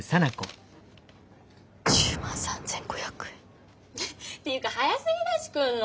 １０万３，５００円。っていうか早すぎだし来んの。